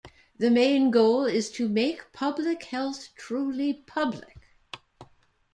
The main goal is to make public health truly public.